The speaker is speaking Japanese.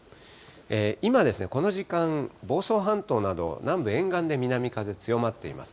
今、この時間、房総半島など南部、沿岸で南風強まっています。